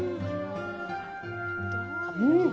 うん！